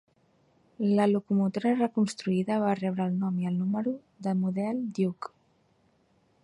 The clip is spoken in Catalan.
La locomotora reconstruïda va rebre el nom i el número del model Duke.